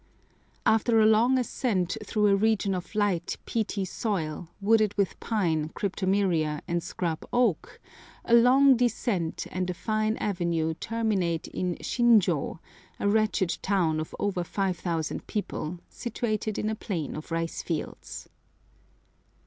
After a long ascent through a region of light, peaty soil, wooded with pine, cryptomeria, and scrub oak, a long descent and a fine avenue terminate in Shinjô, a wretched town of over 5000 people, situated in a plain of rice fields.